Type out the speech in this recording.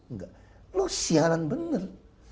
enggak lo sialan bener